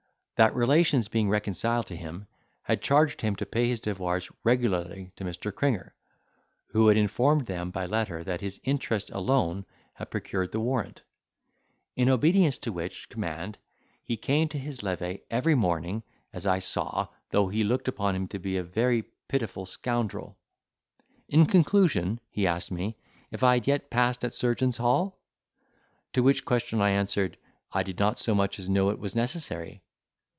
That relations being reconciled to him, had charged him to pay his devoirs regularly to Mr. Cringer, who had informed them by letter that his interest alone had procured the warrant; in obedience to which command he came to his levee every morning; as I saw, though he looked upon him to be a very pitiful scoundrel. In conclusion, he asked me if I had yet passed at Surgeons' Hall? To which question I answered, I did not so much as know it was necessary.